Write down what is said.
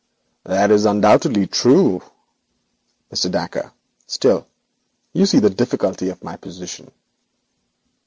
'That is undoubtedly true, Mr. Dacre; still, you see the difficulty of my position.'